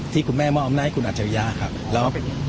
ที่คุณแม่มอบหน้าให้คุณอาจารย์ครับ